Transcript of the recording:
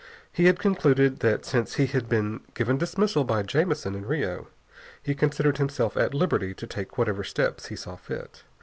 And he concluded that since he had been given dismissal by Jamison in Rio, he considered himself at liberty to take whatever steps he saw fit.